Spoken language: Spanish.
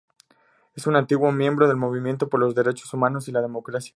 Es un antiguo miembro del Movimiento por los Derechos Humanos y la Democracia.